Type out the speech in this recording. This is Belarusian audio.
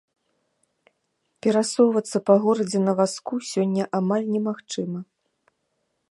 Перасоўвацца па горадзе на вазку сёння амаль немагчыма.